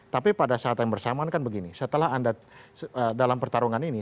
tapi pada saat yang bersamaan kan begini setelah anda dalam pertarungan ini